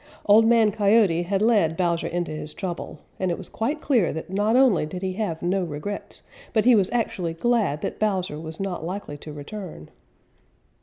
Old Man Coyote had led Bowser into his trouble, and it was quite clear that not only did he have no regrets, but he was actually glad that Bowser was not likely to return.